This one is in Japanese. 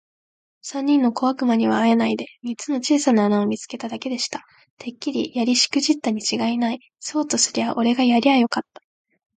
三人の小悪魔にはあえないで、三つの小さな穴を見つけただけでした。「てっきりやりしくじったにちがいない。そうとすりゃおれがやりゃよかった。」